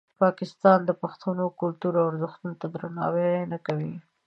پاکستان د پښتنو کلتور او ارزښتونو ته درناوی نه کوي.